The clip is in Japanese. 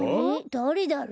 だれだろう？